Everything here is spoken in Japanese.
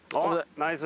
ナイス。